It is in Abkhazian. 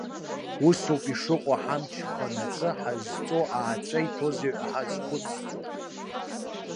Ус ауп ишыҟоу ҳамч хонаҵы ҳазҵоу ааҵәа иҭоузеи ҳәа ҳазхәыцӡом.